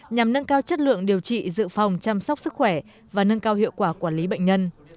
nhằm nâng cao chất lượng điều trị dự phòng chăm sóc sức khỏe và nâng cao hiệu quả quản lý bệnh nhân